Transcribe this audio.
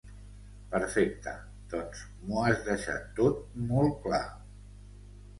Perfecte, doncs m'ho has deixat tot molt clar.